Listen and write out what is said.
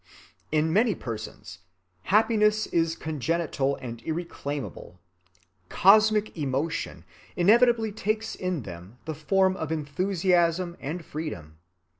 In many persons, happiness is congenital and irreclaimable. "Cosmic emotion" inevitably takes in them the form of enthusiasm and freedom.